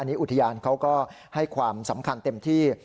อันนี้อุทยานเขาก็ให้ความสำคัญเต็มที่